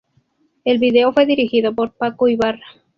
El video fue dirigido por Paco Ibarra.